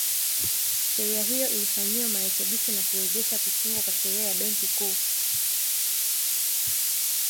Sheria hiyo ilifanyiwa marekebisho na kuwezesha kutungwa kwa Sheria ya Benki Kuu